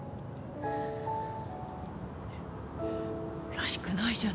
らしくないじゃない。